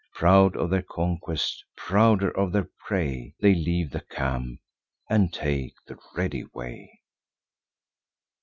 Proud of their conquest, prouder of their prey, They leave the camp, and take the ready way.